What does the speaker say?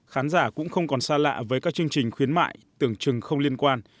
khán giả cũng không còn xa lạ với các chương trình khuyến mại tưởng chừng không liên quan